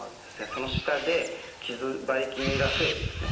その下でばい菌が増えてですね